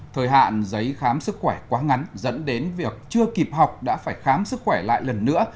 thời hạn giấy khám sức khỏe quá ngắn dẫn đến việc chưa kịp học đã phải khám sức khỏe lại lần nữa